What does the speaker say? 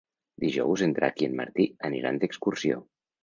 Dijous en Drac i en Martí aniran d'excursió.